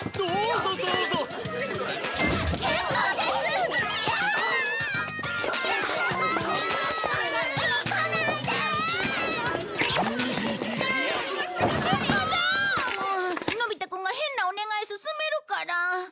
もうのび太くんが変なお願い勧めるから。